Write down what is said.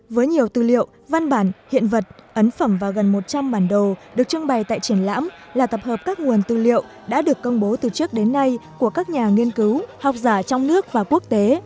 với nhiều tư liệu văn bản hiện vật ấn phẩm và gần một trăm linh bản đồ được trưng bày tại triển lãm là tập hợp các nguồn tư liệu đã được công bố từ trước đến nay của các nhà nghiên cứu học giả trong nước và quốc tế